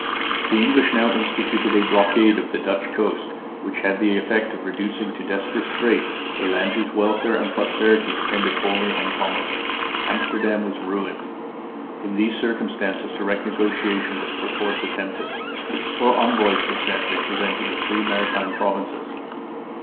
The English now instituted a blockade of the Dutch coast, which had the effect of reducing to desperate straits a land whose welfare and prosperity depended wholly on commerce. Amsterdam was ruined. In these circumstances direct negotiation was perforce attempted. Four envoys were sent representing the three maritime provinces.